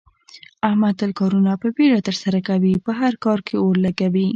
احمد تل کارونه په بیړه ترسره کوي، په هر کار کې اور لگوي.